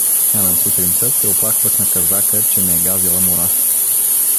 А на сутринта се оплаквах на Казака, че ме е газила морa`.